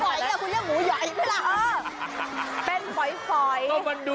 เห็ดหย่อยก็พอค่ะเห็ดหย่อยก็พอค่ะเห็ดหย่อยก็พอค่ะ